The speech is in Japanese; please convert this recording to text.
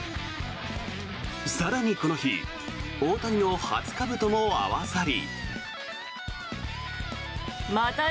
更にこの日大谷の初かぶとも合わさり。